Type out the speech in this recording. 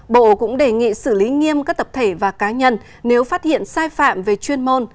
bộ cũng đề nghị xử lý nghiêm các tập thể và cá nhân nếu phát hiện sai phạm về chuyên môn